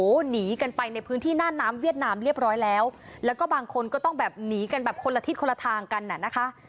โอ้โหหนีกันไปในพื้นที่หน้าน้ำเวียดนามเรียบร้อยแล้วแล้วก็บางคนก็ต้องแบบหนีกันแบบคนละทิศคนละทางกันอ่ะนะคะ